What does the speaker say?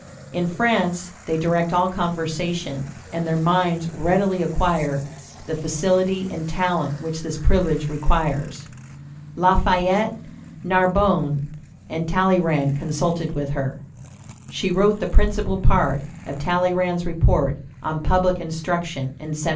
In France, they direct all conversation, and their minds readily acquire the facility and talent which this privilege requires." Lafayette, Narbonne, and Talleyrand consulted with her. She wrote the principal part of Talleyrand's report on Public Instruction in 1790.